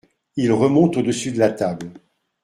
Ils remontent au-dessus de la table.